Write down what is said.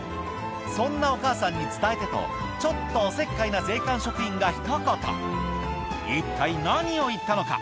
そんなお母さんに伝えてとちょっとおせっかいな税関職員がひと言一体何を言ったのか？